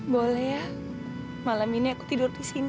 boleh ya malam ini aku tidur di sini